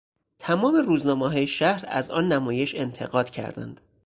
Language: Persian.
تمام روزنامههای شهر از آن نمایش انتقاد کردند.